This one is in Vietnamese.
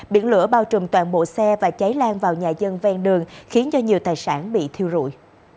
biển lửa bao trùm toàn bộ xe và cháy lan vào nhà dân ven đường khiến cho nhiều tài sản bị thiêu rụi